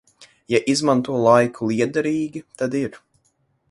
Ja izmanto laiku lietderīgi, tad ir.